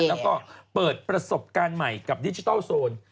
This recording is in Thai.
แล้วก็เปิดประสบการณ์ใหม่กับดิจิทัลโซน